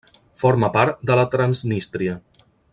Forma part de la Transnístria.